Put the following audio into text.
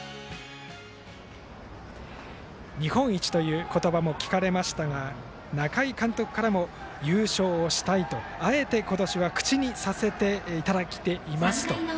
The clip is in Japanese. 日本一という言葉も聞かれましたが中井監督からも、優勝したいとあえて、今年は口にさせていただいていますと。